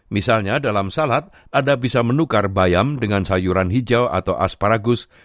misalnya dalam salad anda bisa menukar bayam dengan sayuran hijau atau asparagus